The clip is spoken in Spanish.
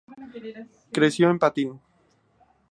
Creció en Pantin.